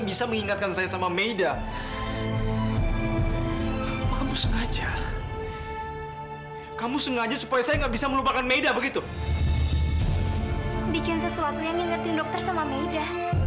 bikin sesuatu yang mengingatkan dokter sama maida